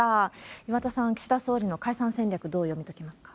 岩田さん、岸田総理の解散戦略、どう読み解きますか？